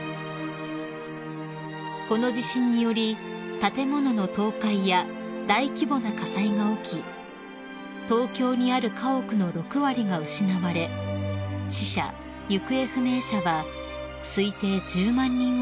［この地震により建物の倒壊や大規模な火災が起き東京にある家屋の６割が失われ死者・行方不明者は推定１０万人を超えました］